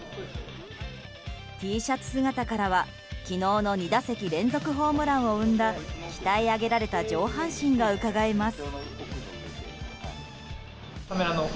Ｔシャツ姿からは昨日の２打席連続ホームランを生んだ鍛え上げられた上半身がうかがえます。